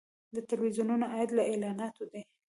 د تلویزیونونو عاید له اعلاناتو دی